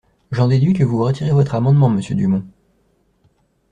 J’en déduis que vous retirez votre amendement, monsieur Dumont.